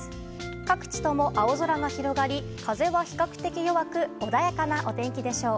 各地とも青空が広がり風は比較的弱く穏やかなお天気でしょう。